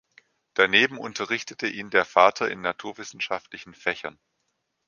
Daneben unterrichtete ihn der Vater in naturwissenschaftlichen Fächern.